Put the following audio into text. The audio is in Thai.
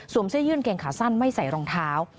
เสื้อยืดเกงขาสั้นไม่ใส่รองเท้า